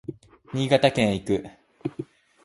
新潟県へ行く